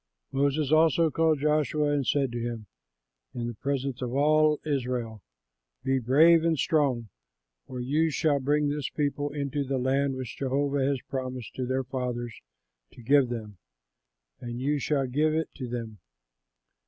Moses also called Joshua and said to him in the presence of all Israel, "Be brave and strong, for you shall bring this people into the land which Jehovah has promised to their fathers to give them; and you shall give it to them.